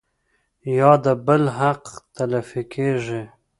يا د بل حق تلفي کيږي